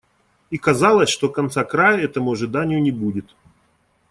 И казалось, что конца-края этому ожиданию не будет.